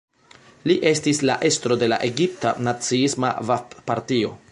Li estis la estro de la egipta naciisma Vafd-Partio.